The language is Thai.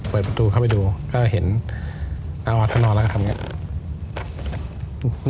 เปิดประตูเข้าไปดูก็เห็นอาวัดท่านนอนแล้วก็ทำอย่างนี้